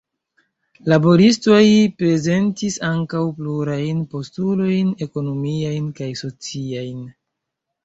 Laboristoj prezentis ankaŭ plurajn postulojn ekonomiajn kaj sociajn.